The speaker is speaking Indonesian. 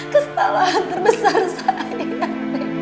kesalahan terbesar saya neneng